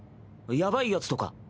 やばいヤツとか。